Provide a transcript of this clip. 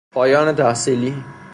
پایان تحصیلی